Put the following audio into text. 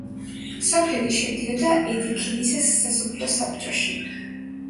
სოფელი შედიოდა ედიქილისას სასოფლო საბჭოში.